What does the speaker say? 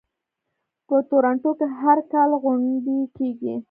په تورنټو کې هر کال غونډه کیږي.